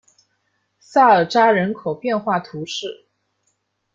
萨尔扎人口变化图示